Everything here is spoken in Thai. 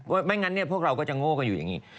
ไม่งั้นพวกเราก็จะโง่กันอยู่อย่างนี้